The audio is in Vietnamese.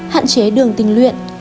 một hạn chế đường tinh luyện